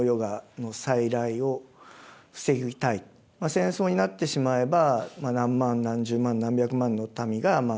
戦争になってしまえば何万何十万何百万の民が死ぬかもしれない。